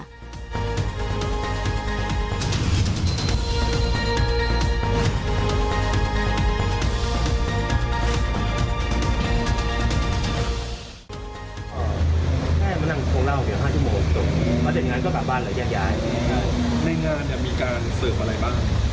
สังเกตเห็นแล้วว่าคู่นี้เขาน่าจะมีความสำคัญในคุณกัน